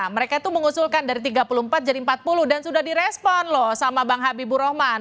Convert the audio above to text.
mereka itu mengusulkan dari tiga puluh empat jadi empat puluh dan sudah direspon loh sama bang habibur rahman